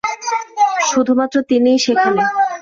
শুধুমাত্র তিনিই সেখানে।